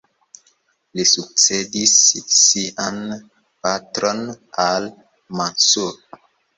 Li sukcedis sian patron, al-Mansur.